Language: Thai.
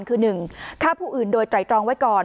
คือ๑ฆ่าผู้อื่นโดยไตรตรองไว้ก่อน